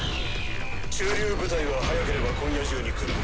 駐留部隊は早ければ今夜中に来る。